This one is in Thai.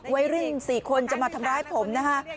ไว้รึ่งสี่คนจะมาทำร้ายผมนะฮะ